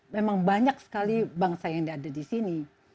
memang banyak sekali bangsa yang ada di sini